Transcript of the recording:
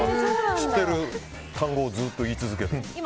知っている単語をずっと言い続けています。